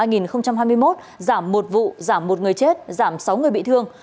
giảm một vụ giảm một người chết giảm sáu người bị thương